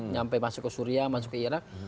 nyampe masuk ke syria masuk ke iraq